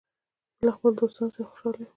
زه له خپلو دوستانو سره خوشحال یم.